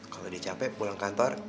kalau dia capek pulang kantor